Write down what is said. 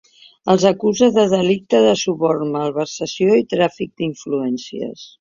Els acusa de delictes de suborn, malversació i tràfic d’influències.